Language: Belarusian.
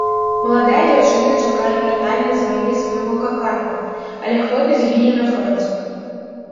Маладая дзяўчына чакае вяртання з вайны свайго каханага, але хлопец гіне на фронце.